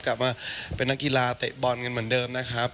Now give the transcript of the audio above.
กลับมาเป็นนักกีฬาเตะบอลกันเหมือนเดิมนะครับ